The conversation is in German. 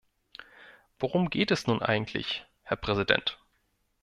Worum geht es nun eigentlich, Herr Präsident?